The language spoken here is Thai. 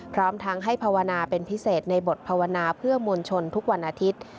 พร้อมทั้งให้ภาวนาเป็นพิเศษในบทภาวนาเพื่อมวลชนทุกวันอาทิตย์